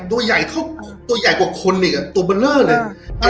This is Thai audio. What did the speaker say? ตัวใหญ่เท่าตัวใหญ่กว่าคนอีกอ่ะตัวเบอร์เลอร์เลย